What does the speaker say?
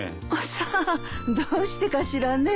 さあどうしてかしらね。